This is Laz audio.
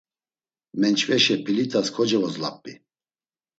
Menç̌veşe pilit̆as kocevozlap̌i.